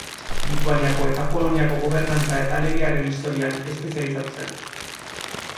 Lituaniako eta Poloniako gobernantza eta legearen historian espezializatu zen.